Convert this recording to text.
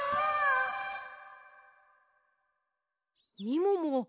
みもも